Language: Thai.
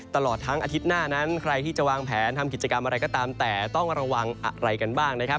ตลอดทั้งอาทิตย์หน้านั้นใครที่จะวางแผนทำกิจกรรมอะไรก็ตามแต่ต้องระวังอะไรกันบ้างนะครับ